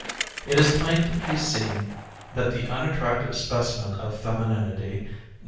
65 and 66] It is plain to be seen that the unattractive specimen of femininity, No.